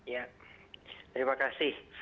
ya terima kasih